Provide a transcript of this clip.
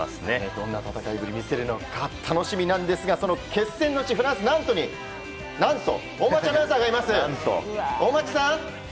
どんな戦いぶりを見せるのか楽しみですがその決戦の地フランス・ナントに何と大町アナウンサーがいます。